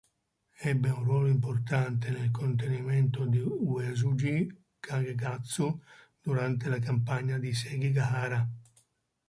Ebbe un ruolo importante nel contenimento di Uesugi Kagekatsu durante la campagna di Sekigahara.